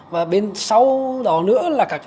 và bên sau đó nữa là các